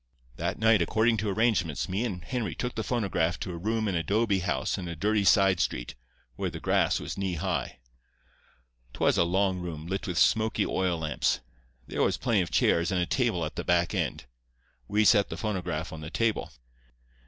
"That night, according to arrangements, me and Henry took the phonograph to a room in a 'dobe house in a dirty side street, where the grass was knee high. 'Twas a long room, lit with smoky oil lamps. There was plenty of chairs, and a table at the back end. We set the phonograph on the table.